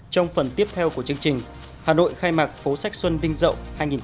trong phần tiếp theo của chương trình hà nội khai mạc phố sách xuân vinh dậu hai nghìn một mươi bảy